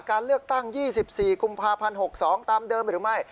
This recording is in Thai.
การเลือกตั้ง๒๔กุมภาพันธ์๖๒ตามเดิมหรือไม่